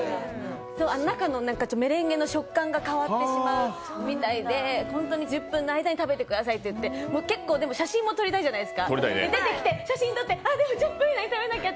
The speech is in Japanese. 中のメレンゲの食感が変わってしまうみたいで、本当に１０分の間に食べてくださいって、写真も撮りたいじゃないですか、出てきて、あっ、１０分以内に食べなきゃ！